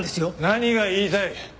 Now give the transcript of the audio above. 何が言いたい？